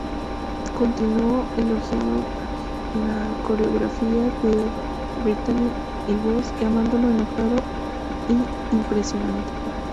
Continuó elogiando la coreografía de Brittany y voz, llamándolo "enojado" y "impresionante".